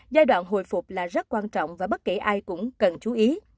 giai đoạn hồi phục là rất quan trọng và bất kể ai cũng cần chú ý